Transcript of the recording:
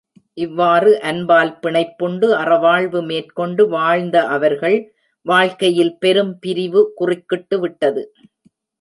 இவ்வாறு அன்பால் பிணைப்புண்டு அறவாழ்வு மேற்கொண்டு வாழ்ந்த அவர்கள் வாழ்க்கையில் பெரும் பிரிவு குறுக்கிட்டு விட்டது.